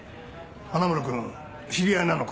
花村君知り合いなのか？